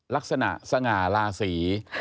ลักษณะสง่าลาศรี